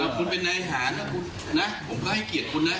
คุณเป็นอาหารนะผมก็ให้เกียรติคุณนะ